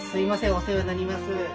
お世話になります。